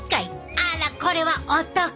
あらこれはお得！